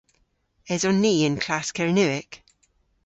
Eson ni y'n klass Kernewek?